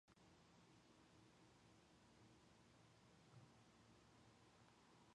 The label is distributed worldwide by Republic Records.